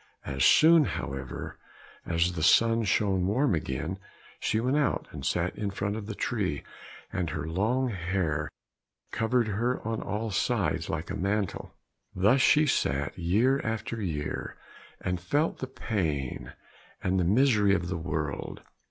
As soon, however, as the sun shone warm again, she went out and sat in front of the tree, and her long hair covered her on all sides like a mantle. Thus she sat year after year, and felt the pain and the misery of the world.